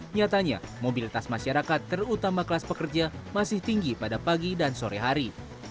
nyatanya mobilitas masyarakat terutama kelas pekerja masih tinggi pada pagi dan sore hari